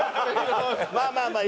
まあまあまあ。